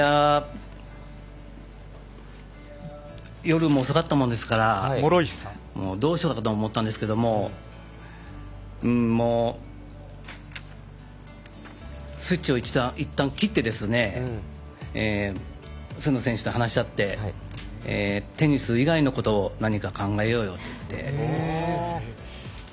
夜も遅かったもんですからどうしようかと思ったんですけどもスイッチをいったん切ってですね菅野選手と話し合ってテニス以外のことを何か考えようよと言って。